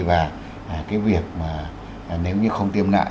và cái việc nếu như không tiêm lại